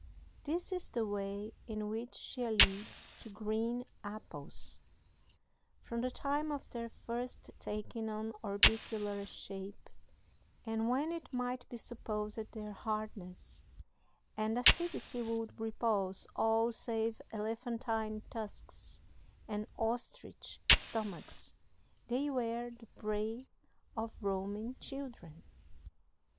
This is the way in which she alludes to green apples: "From the time of their first taking on orbicular shape, and when it might be supposed their hardness and acidity would repulse all save elephantine tusks and ostrich stomachs, they were the prey of roaming children."